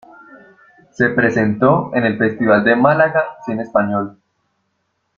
Se presentó en el Festival de Málaga Cine Español.